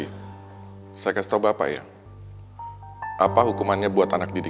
kita apa perlu saya ulangi lagi saya kasih tahu bapak ya apa hukumannya buat anak didik